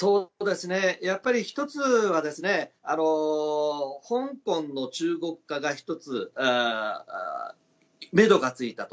１つは香港の中国化が１つ、めどがついたと。